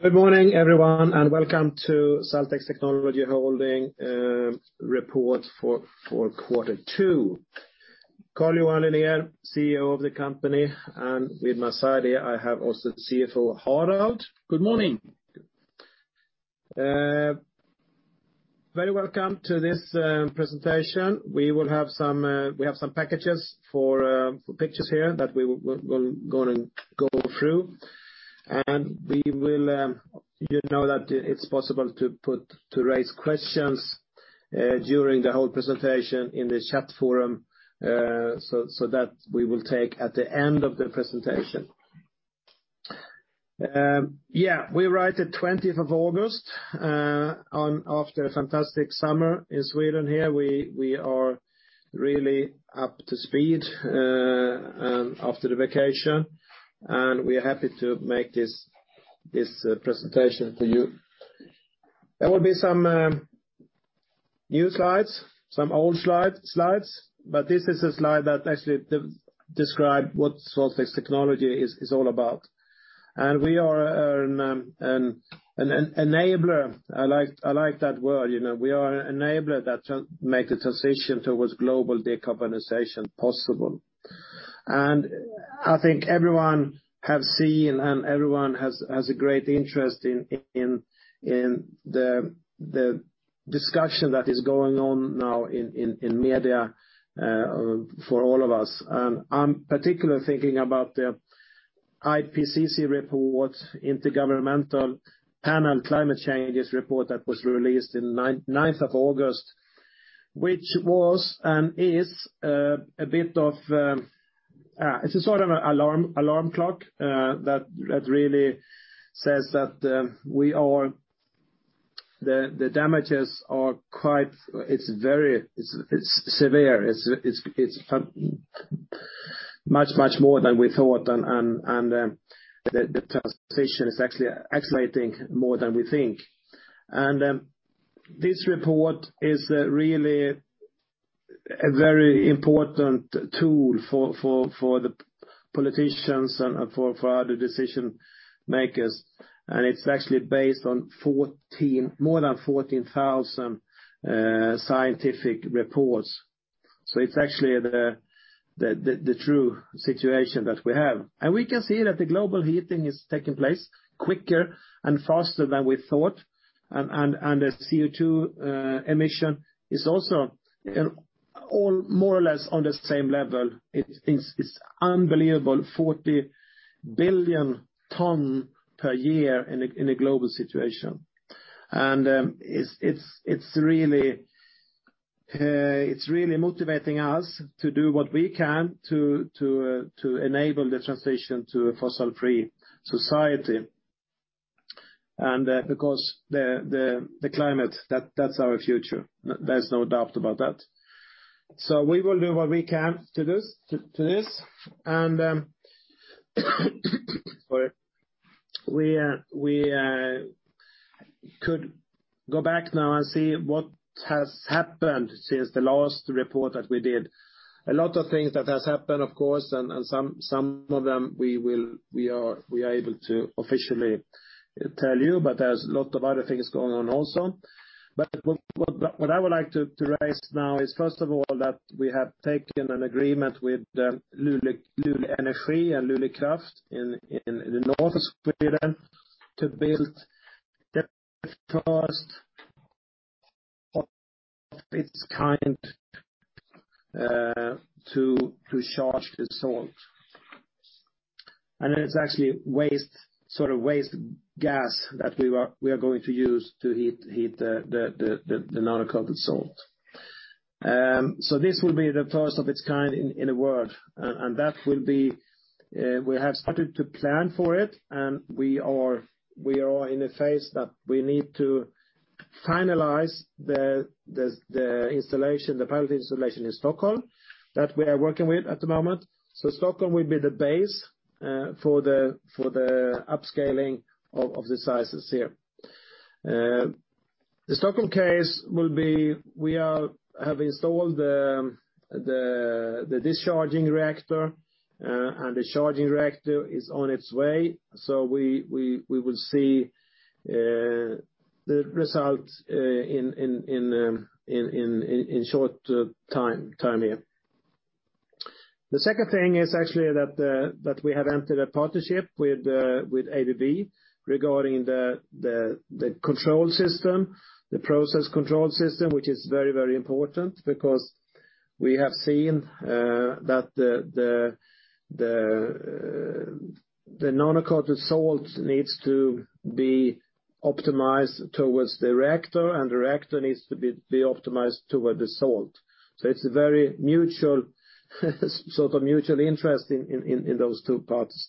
Good morning, everyone. Welcome to SaltX Technology Holding report for Q2. Carl-Johan Linér, CEO of the company, and with my side here, I have also CFO, Harald. Good morning. Very welcome to this presentation. We have some packages for pictures here that we're going to go through. You know that it's possible to raise questions during the whole presentation in the chat forum, so that we will take at the end of the presentation. We write the 20th of August, after a fantastic summer in Sweden here. We are really up to speed after the vacation, and we are happy to make this presentation to you. There will be some new slides, some old slides, but this is a slide that actually describe what SaltX Technology is all about. We are an enabler. I like that word. We are an enabler that make the transition towards global decarbonization possible. I think everyone have seen and everyone has a great interest in the discussion that is going on now in media for all of us. I'm particularly thinking about the IPCC report, Intergovernmental Panel on Climate Change's report that was released in 9th of August, which was and is a bit of a sort of alarm clock that really says that the damages are quite severe. It's much more than we thought, and the transition is actually accelerating more than we think. This report is really a very important tool for the politicians and for other decision makers, and it's actually based on more than 14,000 scientific reports. It's actually the true situation that we have. We can see that the global heating is taking place quicker and faster than we thought. The CO2 emission is also more or less on the same level. It's unbelievable, 40 billion ton per year in a global situation. It's really motivating us to do what we can to enable the transition to a fossil-free society. Because the climate, that's our future. There's no doubt about that. We will do what we can to this. Sorry. We could go back now and see what has happened since the last report that we did. A lot of things that has happened, of course, and some of them we are able to officially tell you, but there's a lot of other things going on also. What I would like to raise now is, first of all, that we have taken an agreement with Luleå Energi and Lulekraft in the north of Sweden to build the first of its kind to charge the salt. It's actually waste gas that we are going to use to heat the nanocoated salt. This will be the first of its kind in the world, and we have started to plan for it. We are all in a phase that we need to finalize the pilot installation in Stockholm that we are working with at the moment. Stockholm will be the base for the upscaling of the sizes here. We have installed the discharging reactor, and the charging reactor is on its way. We will see the results in short time here. The second thing is actually that we have entered a partnership with ABB regarding the control system, the process control system, which is very, very important because we have seen that the nanocoated salt needs to be optimized towards the reactor, and the reactor needs to be optimized toward the salt. It's a very sort of mutual interest in those two parts.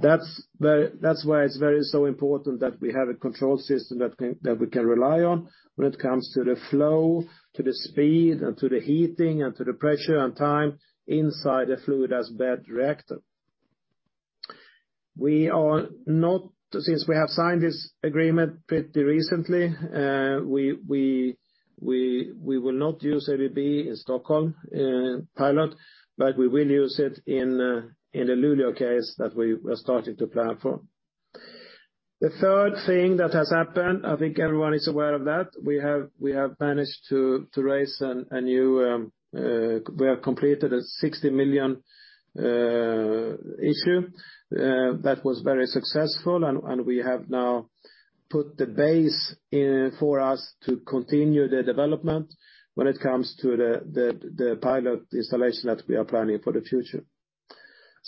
That's why it's very important that we have a control system that we can rely on when it comes to the flow, to the speed, and to the heating, and to the pressure and time inside the fluidised bed reactor. Since we have signed this agreement pretty recently, we will not use ABB in Stockholm pilot, but we will use it in the Luleå case that we are starting to plan for. The third thing that has happened, I think everyone is aware of that, we have managed to raise. We have completed a 60 million issue that was very successful, and we have now put the base in for us to continue the development when it comes to the pilot installation that we are planning for the future.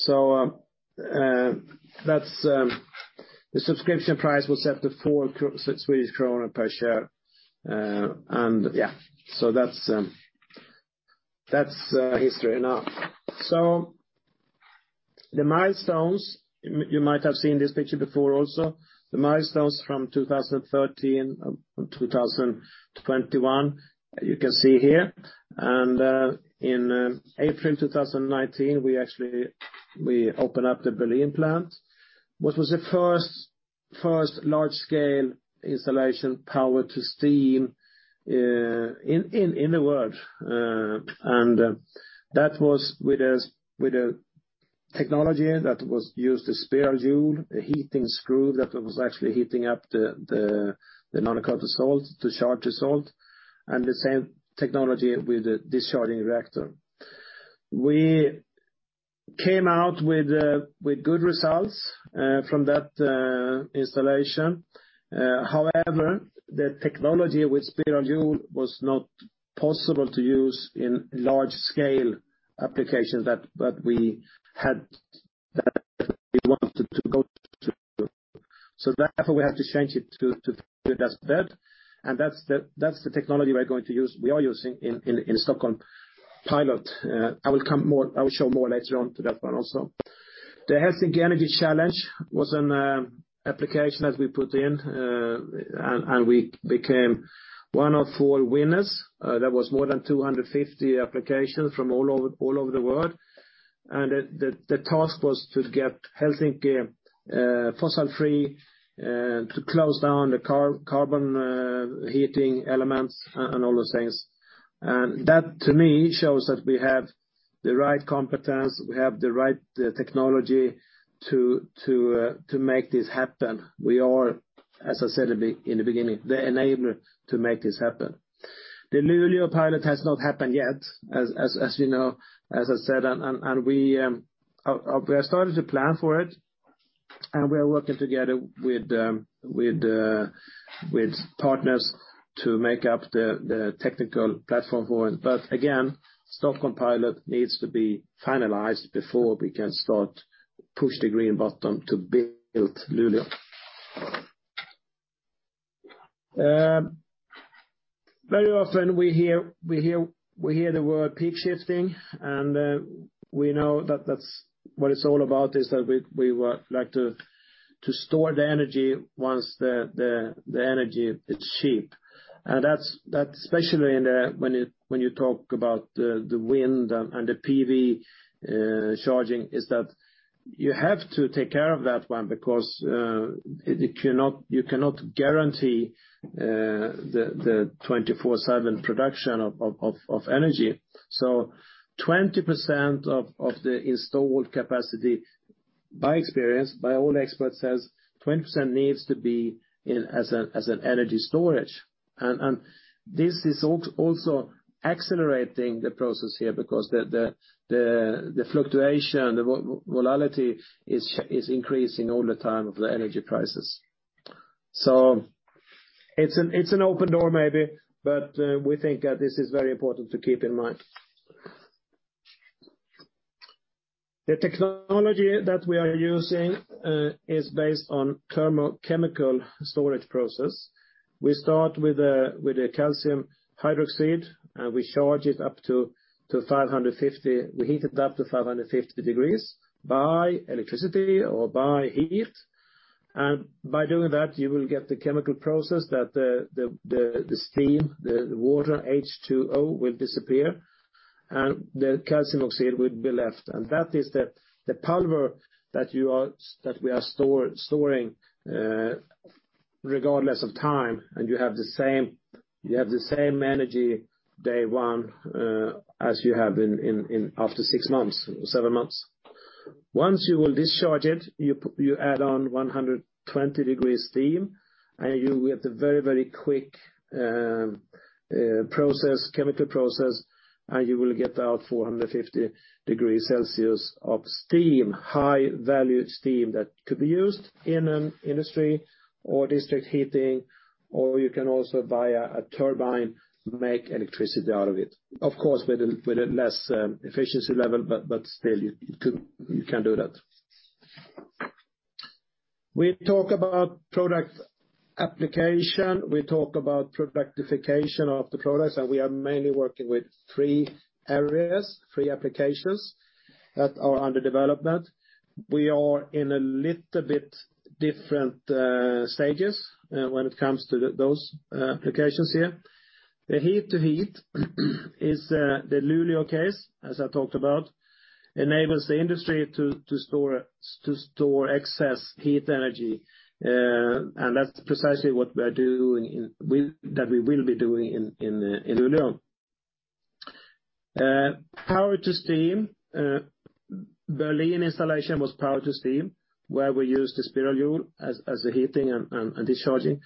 The subscription price was set to 4 Swedish kronor per share. That's history enough. The milestones, you might have seen this picture before also. The milestones from 2013-2021, you can see here, and in April 2019, we opened up the Boliden plant, which was the first large-scale installation power-to-steam in the world. That was with a technology that was used, the Spirajoule, a heating screw that was actually heating up the nanocoated salt to charge the salt, and the same technology with the discharging reactor. We came out with good results from that installation. However, the technology with Spirajoule was not possible to use in large-scale applications that we had wanted to go to. Therefore, we have to change it to, that's dead. That's the technology we are going to use, we are using in Stockholm pilot. I will show more later on to that one also. The Helsinki Energy Challenge was an application that we put in. We became one of four winners. There was more than 250 applications from all over the world. The task was to get Helsinki fossil-free, to close down the carbon heating elements and all those things. That, to me, shows that we have the right competence, we have the right technology to make this happen. We are, as I said in the beginning, the enabler to make this happen. The Luleå pilot has not happened yet, as you know, as I said, and we have started to plan for it, and we are working together with partners to make up the technical platform for it. Again, Stockholm pilot needs to be finalized before we can start push the green button to build Luleå. Very often we hear the word peak shifting, and we know that what it's all about is that we would like to store the energy once the energy is cheap. That's especially when you talk about the wind and the PV charging, is that you have to take care of that one because you cannot guarantee the 24/7 production of energy. 20% of the installed capacity, by experience, by all experts says 20% needs to be as an energy storage. This is also accelerating the process here because the fluctuation, the volatility is increasing all the time of the energy prices. It's an open door maybe, but we think that this is very important to keep in mind. The technology that we are using is based on thermochemical storage process. We start with a calcium hydroxide, and we heat it up to 550 degrees by electricity or by heat. By doing that, you will get the chemical process that the steam, the water, H2O, will disappear, and the calcium oxide will be left. That is the power that we are storing regardless of time, and you have the same energy day one as you have after six months, seven months. Once you will discharge it, you add on 120 degrees steam, and you get a very, very quick chemical process, and you will get out 450 degrees Celsius of steam, high-value steam that could be used in an industry or district heating, or you can also, via a turbine, make electricity out of it. Of course, with a less efficiency level, but still you can do that. We talk about product application, we talk about productification of the products. We are mainly working with three areas, three applications that are under development. We are in a little bit different stages when it comes to those applications here. The heat-to-heat is the Luleå case, as I talked about, enables the industry to store excess heat energy. That's precisely what we are doing that we will be doing in Luleå. Power-to-steam, Berlin installation was power-to-steam, where we use the Spirajoule as the heating and discharging.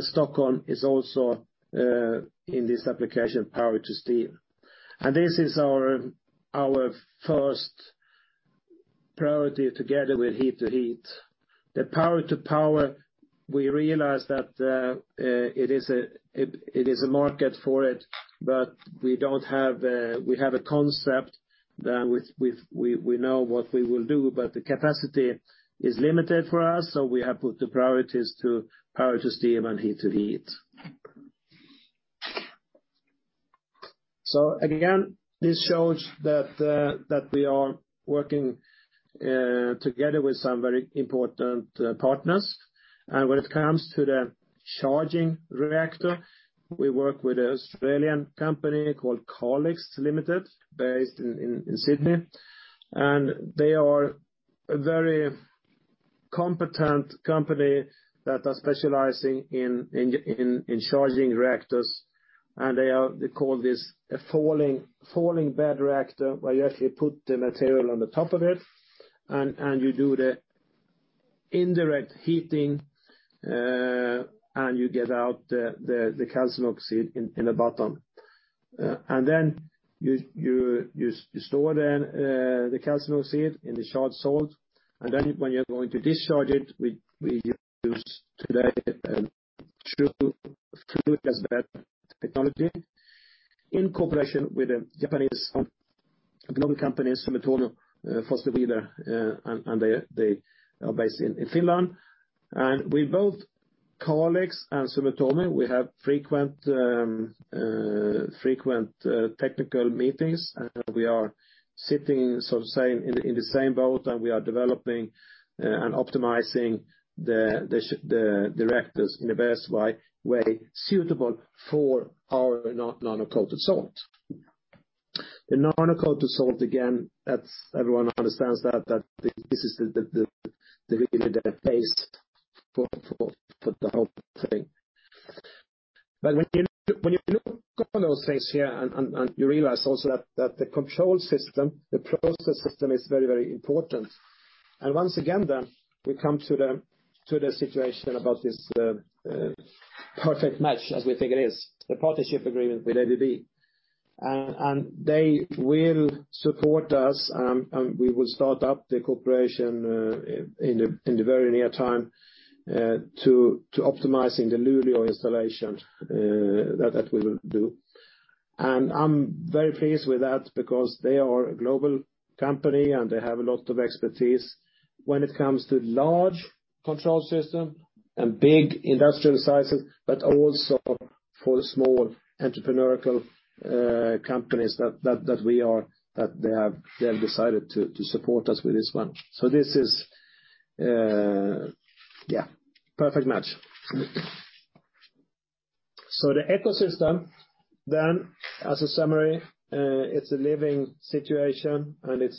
Stockholm is also in this application, power-to-steam. This is our first priority together with heat-to-heat. The power-to-power, we realize that there is a market for it. We have a concept that we know what we will do, but the capacity is limited for us. We have put the priorities to power-to-steam and heat-to-heat. Again, this shows that we are working together with some very important partners. When it comes to the charging reactor, we work with an Australian company called SaltX Limited, based in Sydney. They are a very competent company that are specializing in charging reactors, and they call this a falling bed reactor, where you actually put the material on the top of it and you do the indirect heating, and you get out the calcium oxide in the bottom. You store then the calcium oxide in the charged salt. When you're going to discharge it, we use today a fluidised bed technology in cooperation with a Japanese global company, Sumitomo SHI FW, and they are based in Finland. With both SaltX and Sumitomo, we have frequent technical meetings, and we are sitting in the same boat, and we are developing and optimizing the reactors in the best way suitable for our nanocoated salt. The nanocoated salt, again, everyone understands that this is really the base for the whole thing. When you look on those things here, and you realize also that the control system, the process system is very, very important. Once again then, we come to the situation about this perfect match as we think it is, the partnership agreement with ABB. They will support us, and we will start up the cooperation in the very near time to optimizing the Luleå installation that we will do. I'm very pleased with that because they are a global company and they have a lot of expertise when it comes to large control system and big industrial sizes, but also for the small entrepreneurial companies that we are, that they have decided to support us with this one. This is a perfect match. The ecosystem then, as a summary, it's a living situation, and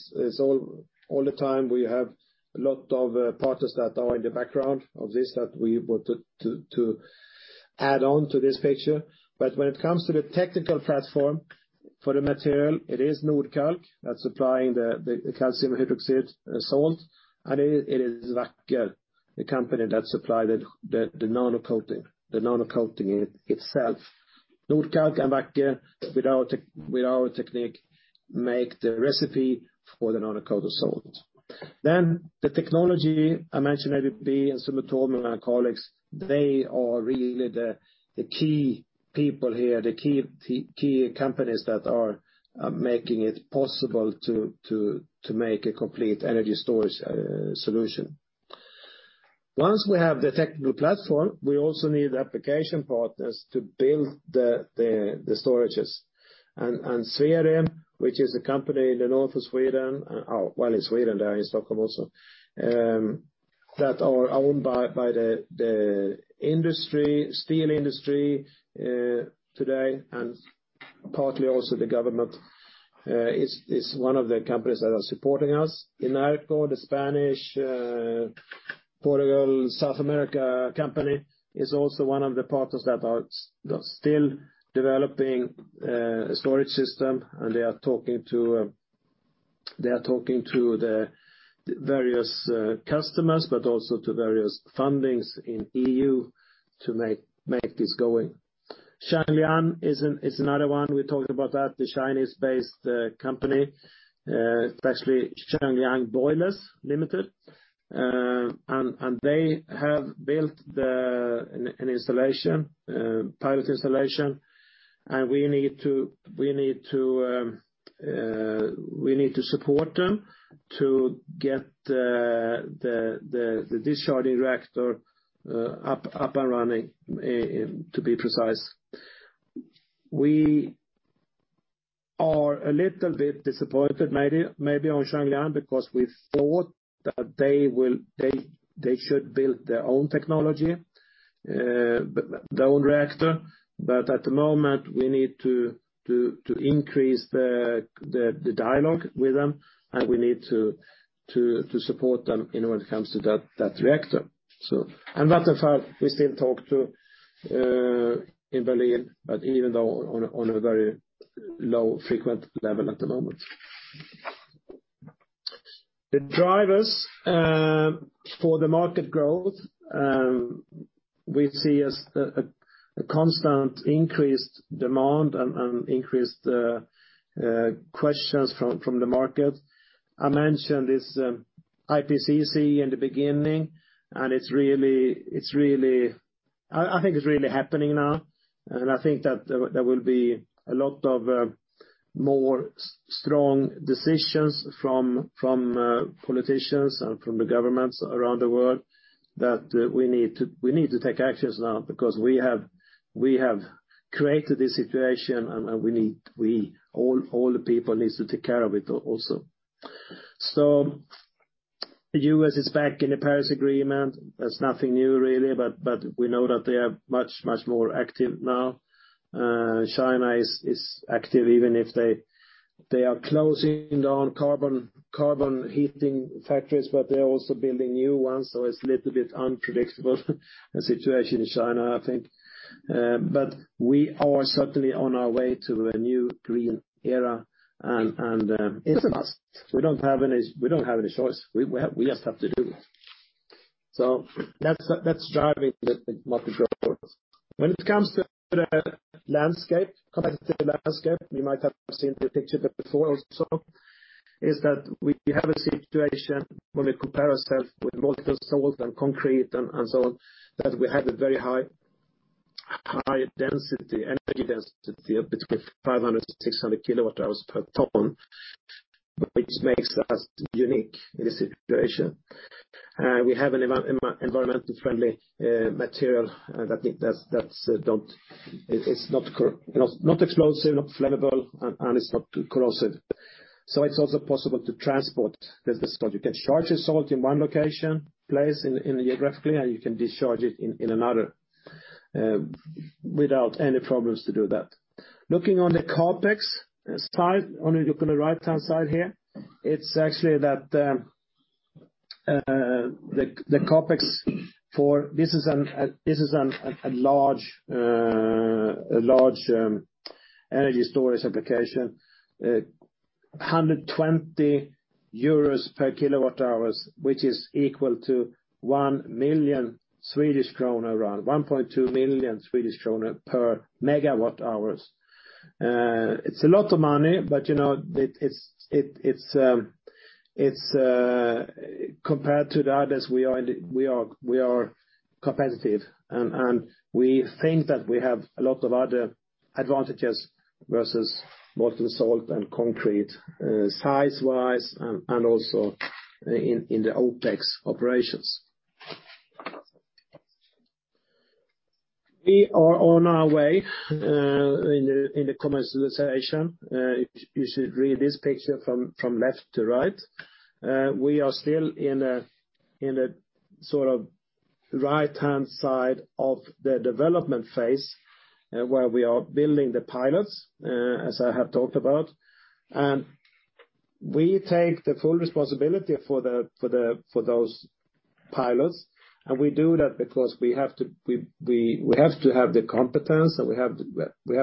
all the time we have a lot of partners that are in the background of this that we want to add on to this picture. When it comes to the technical platform for the material, it is Nordkalk that's supplying the calcium hydroxide salt, and it is Wacker, the company that supply the nanocoating itself. Nordkalk and Wacker, with our technique, make the recipe for the nanocoated salt. The technology, I mentioned, ABB and Sumitomo and our colleagues, they are really the key people here, the key companies that are making it possible to make a complete energy storage solution. Once we have the technical platform, we also need application partners to build the storages. Swerim, which is a company in the north of Sweden, well, in Sweden, there in Stockholm also, that are owned by the steel industry today, and partly also the government, is one of the companies that are supporting us. INERCO, the Spanish, Portugal, South America company, is also one of the partners that are still developing a storage system, and they are talking to the various customers, But also to various fundings in EU to make this going. Shuangliang is another one, we talked about that, the Chinese-based company, especially Shuangliang Boilers Limited. They have built an installation, pilot installation, and we need to support them to get the discharging reactor up and running, to be precise. We are a little bit disappointed maybe on Shuangliang because we thought that they should build their own technology, their own reactor. At the moment, we need to increase the dialogue with them, and we need to support them when it comes to that reactor. Vattenfall, we still talk to in Berlin, but even though on a very low frequent level at the moment. The drivers for the market growth, we see as a constant increased demand and increased questions from the market. I mentioned this IPCC in the beginning. I think it's really happening now. I think that there will be a lot of more strong decisions from politicians and from the governments around the world that we need to take actions now because we have created this situation and all the people need to take care of it also. The U.S. is back in the Paris Agreement. That's nothing new, really. We know that they are much more active now. China is active, even if they are closing down carbon heating factories. They're also building new ones. It's a little bit unpredictable a situation in China, I think. We are certainly on our way to a new green era. It's a must. We don't have any choice. We just have to do. That's driving the market growth. When it comes to the competitive landscape, you might have seen the picture before also, is that we have a situation when we compare ourselves with molten salt and concrete and so on, that we have a very high energy density of between 500-600 kW/ton, which makes us unique in this situation. We have an environmentally friendly material. I think it's not explosive, not flammable, and it's not corrosive. It's also possible to transport this. You can charge a salt in one location, place geographically, and you can discharge it in another without any problems to do that. Looking on the CapEx side, on the right-hand side here, it's actually that the CapEx for this is a large energy storage application, 120 euros per kWh, which is equal to 1 million Swedish kronor, around 1.2 million Swedish kronor per megawatt hours. It's a lot of money, compared to the others, we are competitive, and we think that we have a lot of other advantages versus molten salt and concrete, size-wise, and also in the OpEx operations. We are on our way in the commercialization. You should read this picture from left to right. We are still in a sort of one right-hand side of the development phase, where we are building the pilots, as I have talked about. We take the full responsibility for those pilots, we do that because we have to have the competence, and we have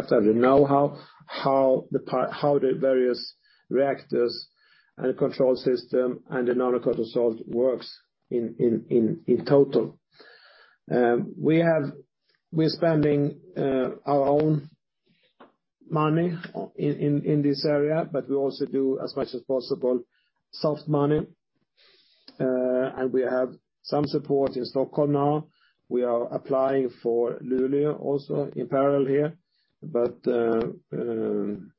to have the know-how, how the various reactors and control system and the nanocoated salt works in total. We're spending our own money in this area, we also do, as much as possible, soft money. We have some support in Stockholm now. We are applying for Luleå also in parallel here.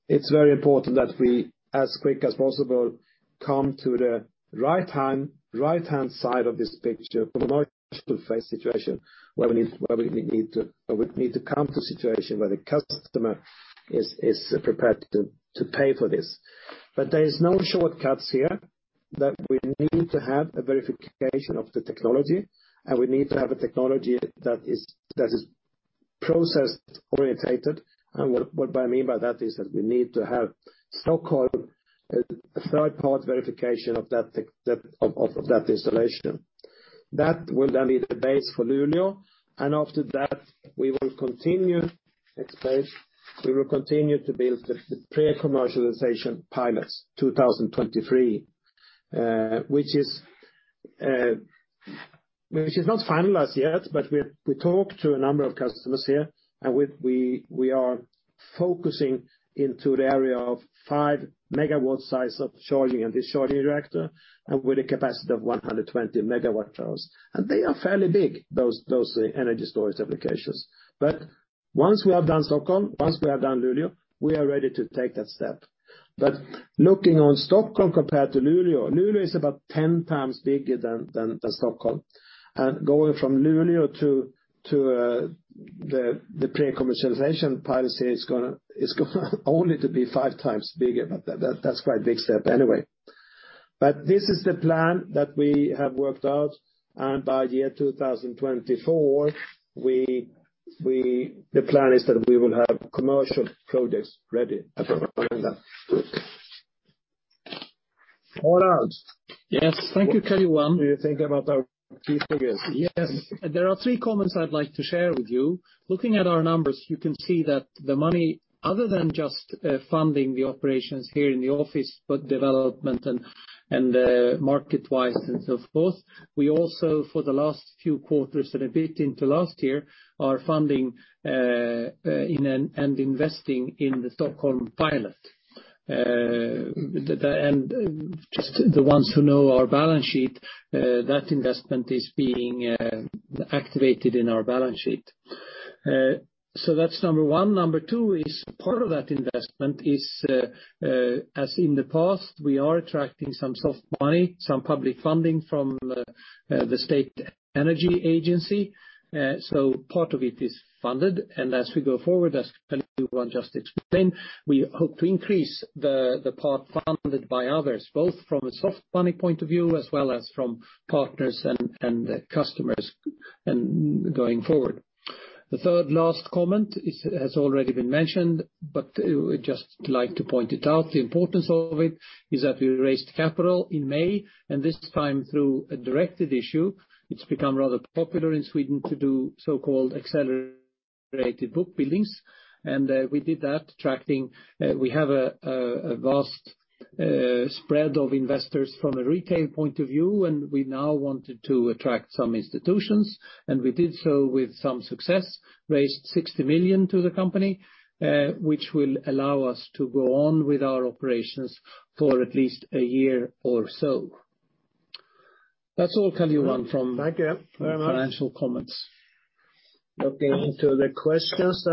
It's very important that we, as quick as possible, come to the right-hand side of this picture from a commercial phase situation where we need to come to a situation where the customer is prepared to pay for this. There is no shortcuts here, that we need to have a verification of the technology, and we need to have a technology that is process-orientated. What I mean by that is that we need to have so-called third-party verification of that installation. That will then be the base for Luleå. After that, we will continue to build the pre-commercialization pilots 2023, which is not finalized yet. We talk to a number of customers here, and we are focusing into the area of 5 MW size of charging and discharging reactor and with a capacity of 120 MWh. They are fairly big, those energy storage applications. Once we have done Stockholm, once we have done Luleå, we are ready to take that step. Looking on Stockholm compared to Luleå is about 10x bigger than Stockholm. Going from Luleå to the pre-commercialization pilots here is going to only to be 5x bigger, that's quite a big step anyway. This is the plan that we have worked out, and by the year 2024, the plan is that we will have commercial projects ready at that point in time. Harald. Yes. Thank you, Carl-Johan Linér. What do you think about our key figures? Yes. There are three comments I'd like to share with you. Looking at our numbers, you can see that the money, other than just funding the operations here in the office, but development and market-wise and so forth, we also, for the last few quarters and a bit into last year, are funding and investing in the Stockholm pilot. Just the ones who know our balance sheet, that investment is being activated in our balance sheet. That's number one. Number two is part of that investment is, as in the past, we are attracting some soft money, some public funding from the Swedish Energy Agency. Part of it is funded, and as we go forward, as Carl-Johan Linér just explained, we hope to increase the part funded by others, both from a soft money point of view as well as from partners and customers going forward. The third last comment has already been mentioned, but I would just like to point it out. The importance of it is that we raised capital in May, and this time through a directed issue. It's become rather popular in Sweden to do so-called accelerated book buildings, and we did that. We have a vast spread of investors from a retail point of view, and we now wanted to attract some institutions, and we did so with some success. Raised 60 million to the company, which will allow us to go on with our operations for at least a year or so. That's all, Carl-Johan Linér. Thank you very much. From financial comments. Looking into the questions.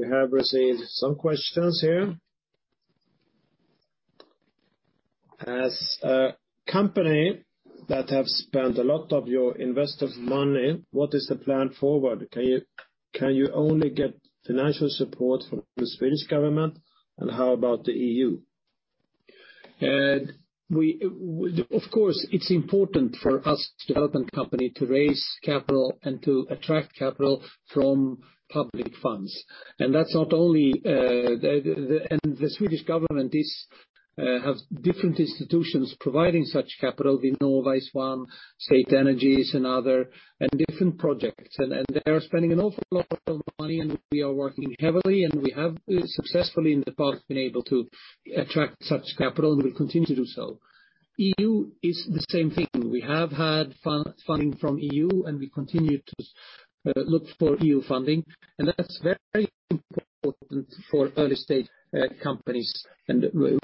We have received some questions here. As a company that have spent a lot of your investors' money, what is the plan forward? Can you only get financial support from the Swedish government, and how about the EU? Of course, it's important for us development company to raise capital and to attract capital from public funds. The Swedish government have different institutions providing such capital. We know of at least one, Swedish Energy Agency and other, and different projects. They are spending an awful lot of money, and we are working heavily, and we have successfully in the past been able to attract such capital, and we continue to do so. EU is the same thing. We have had funding from EU, and we continue to look for EU funding, and that's very important for early-stage companies.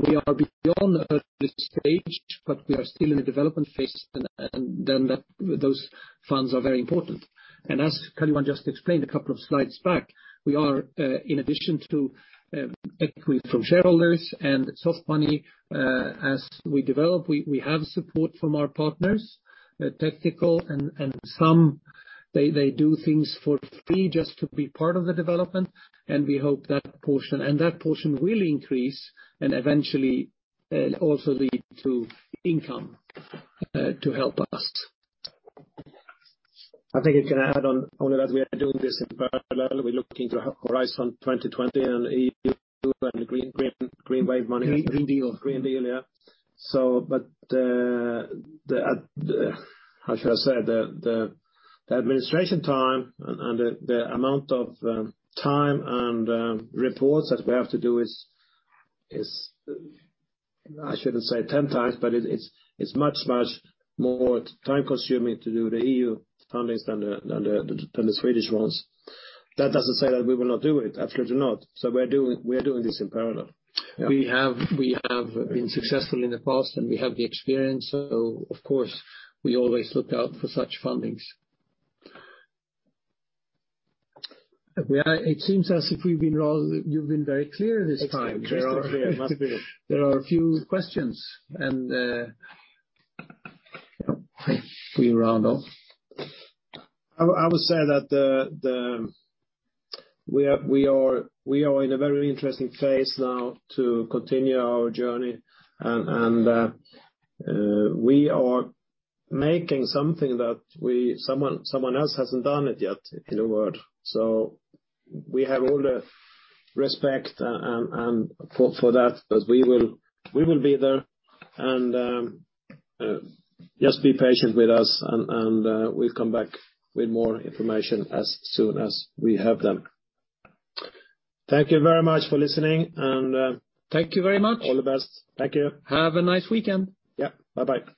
We are beyond early stage, but we are still in a development phase, and those funds are very important. As Carl-Johan Linér just explained two slides back, we are, in addition to equity from shareholders and soft money, as we develop, we have support from our partners, technical and some they do things for free just to be part of the development, and we hope that portion will increase and eventually, also lead to income to help us. I think I can add on all of that, we are doing this in parallel. We're looking to Horizon 2020 and EU and the green wave money. Green Deal. Green Deal, yeah. How should I say? The administration time and the amount of time and reports that we have to do is, I shouldn't say 10x, but it's much, much more time-consuming to do the EU fundings than the Swedish ones. That doesn't say that we will not do it, absolutely not. We're doing this in parallel. We have been successful in the past, and we have the experience. Of course, we always look out for such fundings. It seems as if you've been very clear this time. Clear. Must be. There are a few questions, and we round off. I would say that we are in a very interesting phase now to continue our journey. We are making something that someone else hasn't done it yet in the world. We have all the respect for that. We will be there. Just be patient with us. We'll come back with more information as soon as we have them. Thank you very much for listening. Thank you very much. All the best. Thank you. Have a nice weekend. Yeah. Bye-bye.